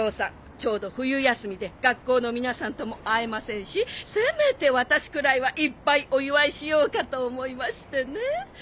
ちょうど冬休みで学校の皆さんとも会えませんしせめて私くらいはいっぱいお祝いしようかと思いましてね。